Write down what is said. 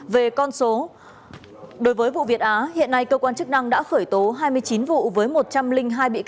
về con số đối với vụ việt á hiện nay cơ quan chức năng đã khởi tố hai mươi chín vụ với một trăm linh hai bị can